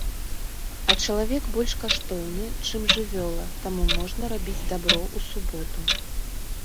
А чалавек больш каштоўны, чым жывёла, таму можна рабіць дабро ў суботу.